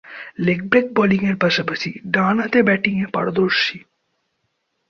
Leg break বোলিংয়ের পাশাপাশি ডানহাতে ব্যাটিংয়ে পারদর্শী।